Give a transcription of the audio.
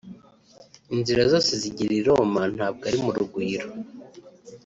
Inzira zose zigera i Roma ntabwo ari mu Rugwiro